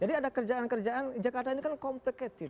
jadi ada kerjaan kerjaan jakarta ini kan complicated